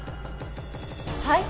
はい？